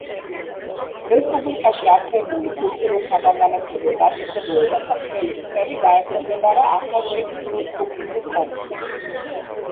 რესპუბლიკაში არსებული კულტურულ-საგანმანათლებლო დაწესებულებათა მთელი ქსელი დაექვემდებარა ახლადშექმნილ რესპუბლიკურ კომიტეტს.